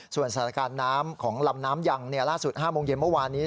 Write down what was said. ส่วนสถานการณ์น้ำของลำน้ำยังล่าสุด๕โมงเย็นเมื่อวานนี้